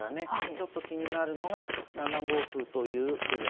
ちょっと気になるのが７五歩という手です。